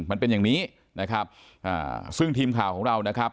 มันเป็นอย่างนี้นะครับอ่าซึ่งทีมข่าวของเรานะครับ